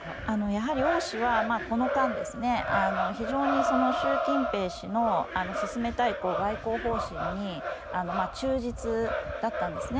やはり王氏はこの間非常に習近平氏の進めたい外交方針に忠実だったんですね。